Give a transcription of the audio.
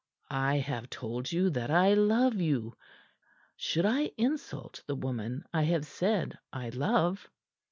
"I have told you that I love you. Should I insult the woman I have said I love?"